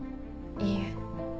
いいえ。